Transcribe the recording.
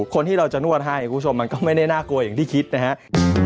คนที่เราจะนวดให้คุณผู้ชมมันก็ไม่ได้น่ากลัวอย่างที่คิดนะครับ